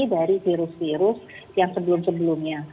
dari virus virus yang sebelum sebelumnya